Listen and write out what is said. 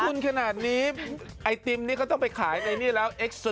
ลงทุนขนาดนี้ไอติมนี้ก็ต้องไปขายในนี้แล้ว